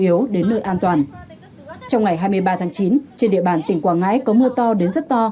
yếu đến nơi an toàn trong ngày hai mươi ba tháng chín trên địa bàn tỉnh quảng ngãi có mưa to đến rất to